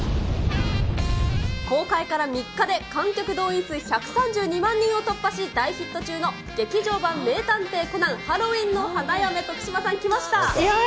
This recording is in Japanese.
公開から３日で観客動員数１３２万人を突破し、大ヒット中の劇場版名探偵コナンハロウィンの花嫁、いやあ。